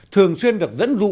thường xuyên được dẫn dụ